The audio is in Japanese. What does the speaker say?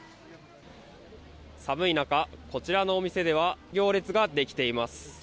寒い中、こちらのお店では行列ができています。